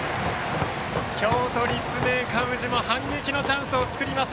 京都・立命館宇治も反撃のチャンスを作ります